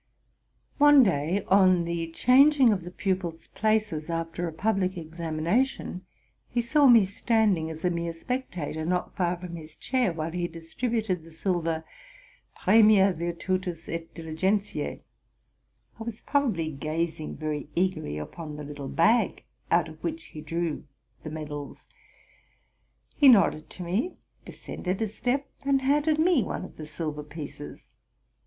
One day, on the changing of the pupils' places after a public examination, he saw me standing, as a mere spectator, not far from his chair, while he distributed the silver premia virtutis et diligentie. Iwas probably gazing very eagerly upon the little bag out of which he drew the medals: he nodded to me, descended a step, and handed me one of the silver pieces.